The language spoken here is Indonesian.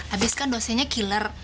abis kan dosenya killer